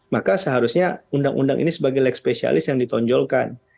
maka seharusnya undang undang ini sebagai leg spesialis yang ditonjolkan